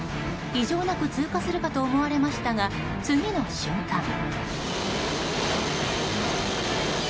異常なく通過するかと思われましたが、次の瞬間。